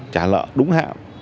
trả lỡ đúng hạm